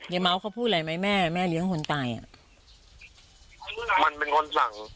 เมาส์เขาพูดอะไรไหมแม่แม่เลี้ยงคนตายอ่ะมันเป็นคนสั่ง